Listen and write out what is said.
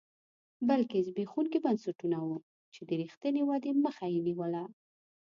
بلکې زبېښونکي بنسټونه وو چې د رښتینې ودې مخه یې نیوله